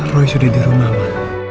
roy sudah di rumah ma